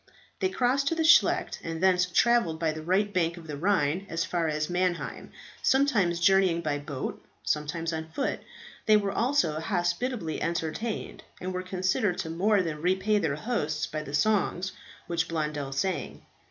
They crossed to the Scheldt, and thence travelled by the right bank of the Rhine as far as Mannheim, sometimes journeying by boat, sometimes on foot. They were also hospitably entertained, and were considered to more than repay their hosts by the songs which Blondel sang.